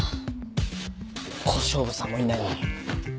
小勝負さんもいないのに。